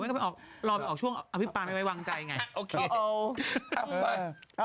ก็ไม่้รอไปออกช่วงเอาพี่ปะแม่วงใจอย่างไร